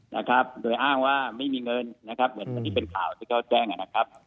นะครับโดยอ้างว่าไม่มีเงินนะครับเหมือนที่เป็นข่าวที่เขาแจ้งนะครับ